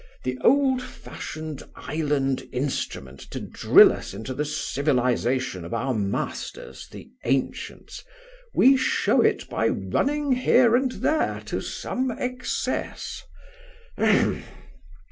. the old fashioned island instrument to drill into us the civilization of our masters, the ancients, we show it by running here and there to some excess.